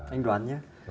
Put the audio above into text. anh đoán nhé